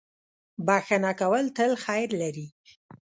• بښنه کول تل خیر لري.